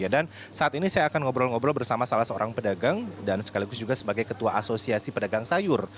dan saat ini saya akan ngobrol ngobrol bersama salah seorang pedagang dan sekaligus juga sebagai ketua asosiasi pedagang sayur